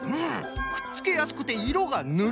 くっつけやすくていろがぬれる。